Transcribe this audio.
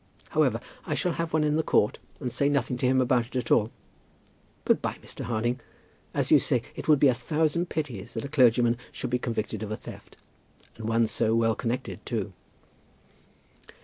However, I shall have one in the court and say nothing to him about it at all. Good by, Mr. Harding. As you say, it would be a thousand pities that a clergyman should be convicted of a theft; and one so well connected too."